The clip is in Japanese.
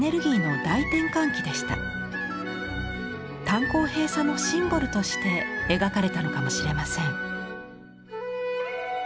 炭鉱閉鎖のシンボルとして描かれたのかもしれません。